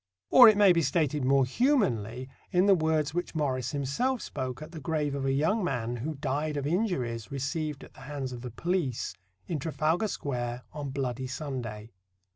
Or it may be stated more humanly in the words which Morris himself spoke at the grave of a young man who died of injuries received at the hands of the police in Trafalgar Square on "Bloody Sunday."